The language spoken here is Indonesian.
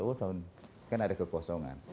oh tahun kan ada kekosongan